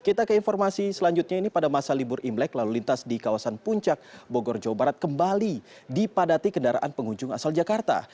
kita ke informasi selanjutnya ini pada masa libur imlek lalu lintas di kawasan puncak bogor jawa barat kembali dipadati kendaraan pengunjung asal jakarta